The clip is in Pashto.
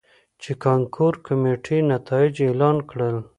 ،چې کانکور کميټې نتايج اعلان کړل.